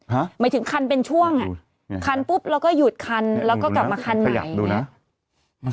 หมายถึงคันเป็นช่วงอ่ะคันปุ๊บแล้วก็หยุดคันแล้วก็กลับมาคันใหม่ดูนะ